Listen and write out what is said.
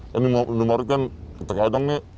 kan di indomaret kan terkadang nih